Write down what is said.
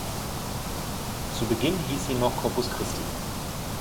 Zu Beginn hieß sie noch Corpus Christi.